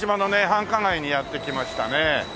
繁華街にやって来ましたね。